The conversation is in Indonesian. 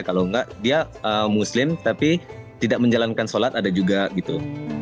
kalau enggak dia muslim tapi tidak menjalankan sholat ada juga gitu